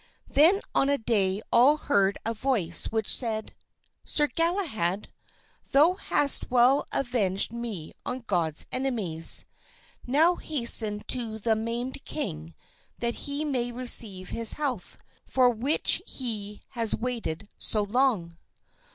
Then on a day all heard a voice which said: "Sir Galahad, thou hast well avenged me on God's enemies, now hasten to the maimed king that he may receive his health, for which he has waited so long."